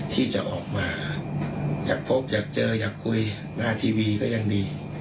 ที่จะออกมาอยากพบอยากเจออยากคุยหน้าทีวีก็ยังดี